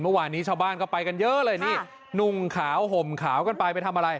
เมื่อวานนี้ชาวบ้านก็ไปกันเยอะเลยนี่นุ่งขาวห่มขาวกันไปไปทำอะไร